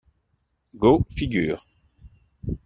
Go figure.